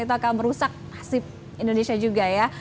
itu akan merusak nasib indonesia juga ya